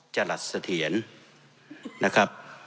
จรัสเสถียรนะครับ